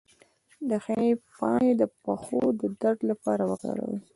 د حنا پاڼې د پښو د درد لپاره وکاروئ